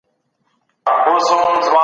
پيغمبر د ذمي حق د خپل حق په څېر وباله.